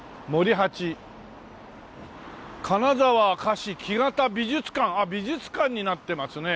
「金沢菓子木型美術館」あっ美術館になってますね。